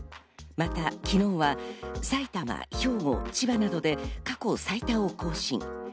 また、昨日は埼玉、兵庫、千葉などで過去最多を更新。